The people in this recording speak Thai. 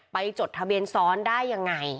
จดทะเบียนซ้อนได้ยังไง